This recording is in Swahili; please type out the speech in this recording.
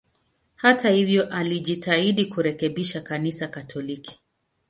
Hata hivyo, alijitahidi kurekebisha Kanisa Katoliki.